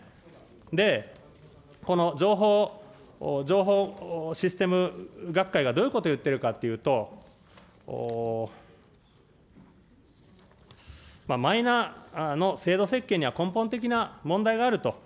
で、この情報、情報システム学会がどういうことを言ってるかっていうと、マイナの制度設計には根本的な問題があると。